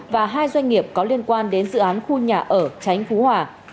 và hai doanh nghiệp có liên quan đến dự án khu nhà ở tránh phú hòa